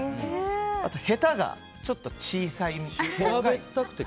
あと、へたがちょっと小さい。